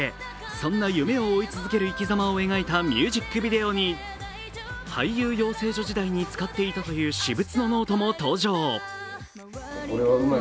そんな夢を追い続ける生きざまを描いたミュージックビデオに俳優養成所時代に使っていたという私物のノートも登場。